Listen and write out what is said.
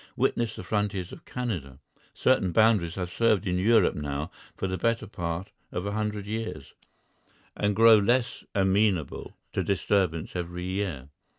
Witness the frontiers of Canada. Certain boundaries have served in Europe now for the better part of a hundred years, and grow less amenable to disturbance every year.